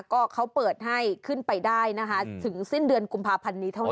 ก็เขาเปิดให้ขึ้นไปได้นะคะถึงสิ้นเดือนกุมภาพันธ์นี้เท่านั้น